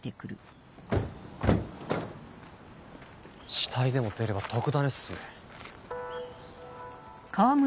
死体でも出れば特ダネっすね。